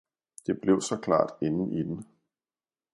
– Det blev så klart inden i den.